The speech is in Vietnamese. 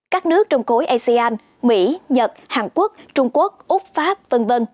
các nước trong cối asean mỹ nhật hàn quốc trung quốc úc pháp v v